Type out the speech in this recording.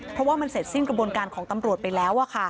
เพราะว่ามันเสร็จสิ้นกระบวนการของตำรวจไปแล้ว